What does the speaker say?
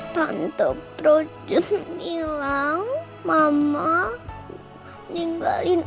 tante projun bilang mama tinggalin